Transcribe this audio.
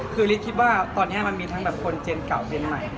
คือฤทธิ์คิดว่าตอนนี้มันมีทั้งแบบคนเจนเก่าเจนใหม่